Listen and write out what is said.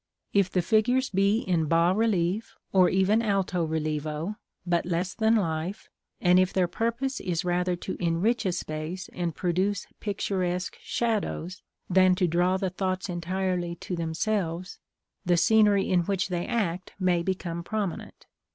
If the figures be in bas relief, or even alto relievo, but less than life, and if their purpose is rather to enrich a space and produce picturesque shadows, than to draw the thoughts entirely to themselves, the scenery in which they act may become prominent.